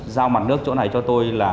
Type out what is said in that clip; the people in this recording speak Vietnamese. giao mặt nước chỗ này cho tôi là